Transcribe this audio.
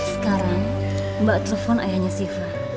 sekarang mbak telepon ayahnya siva